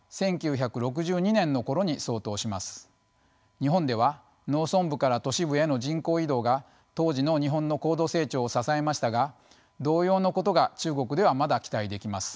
日本では農村部から都市部への人口移動が当時の日本の高度成長を支えましたが同様のことが中国ではまだ期待できます。